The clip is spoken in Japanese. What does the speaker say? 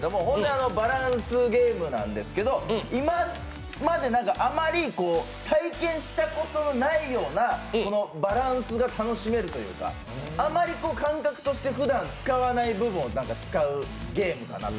バランスゲームなんですけど今まであまり体験したことのないようなバランスが楽しめるというかあまり感覚としてふだん使わない部分を使うゲームかなと。